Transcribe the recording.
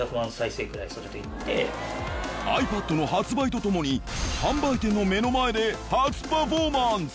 ｉＰａｄの発売とともに販売店の目の前で初パフォーマンス！